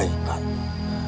yang ingin aku sampaikan